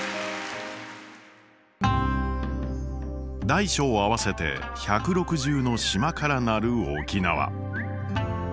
大小合わせて１６０の島からなる沖縄。